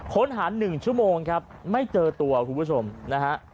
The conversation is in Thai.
ค้นหา๑ชั่วโมงครับไม่เจอตัวคุณผู้ชมนะฮะ